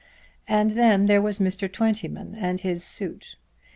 And then there was Mr. Twentyman and his suit.